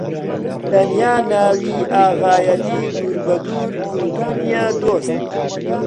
تەنیا ناوی ئاغایەتی دوور بە دوور کردوونیە دۆست!